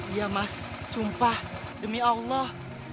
iya mas sumpah demi allah